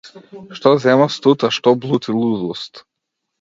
Што зема студ, а што блуд и лудост.